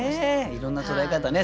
いろんな捉え方ね